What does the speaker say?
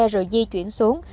rồi di chuyển xuống